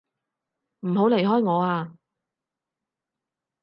唔好離開我啊！